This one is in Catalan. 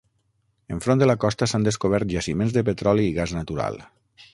Enfront de la costa s'han descobert jaciments de petroli i gas natural.